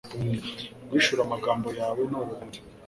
Guhishura amagambo yawe ni urumuri